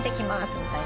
みたいな。